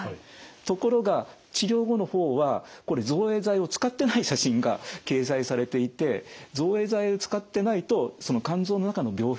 ところが治療後の方はこれ造影剤を使ってない写真が掲載されていて造影剤を使ってないとその肝臓の中の病変っていうのは非常に見えにくい。